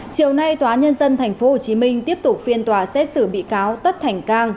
chiều nay tòa nhân dân tp hcm tiếp tục phiên tòa xét xử bị cáo tất thành cang